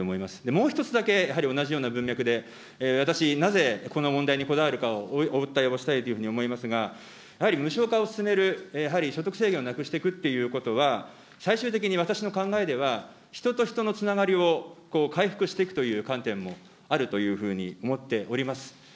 もう１つだけ、やはり同じような文脈で、私、なぜこの問題にこだわるかを、お訴えをしたいと思いますが、やはり無償化を進める、やはり所得制限をなくしていくということは、最終的に私の考えでは、人と人のつながりを回復していくという観点もあるというふうに思っております。